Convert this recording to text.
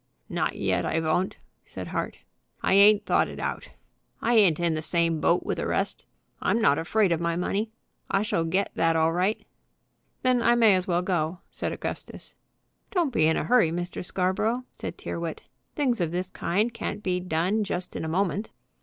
"Not yet I von't," said Hart. "I ain't thought it out. I ain't in the same boat with the rest. I'm not afraid of my money. I shall get that all right." "Then I may as well go," said Augustus. "Don't be in a hurry, Mr. Scarborough," said Tyrrwhit. "Things of this kind can't be done just in a moment."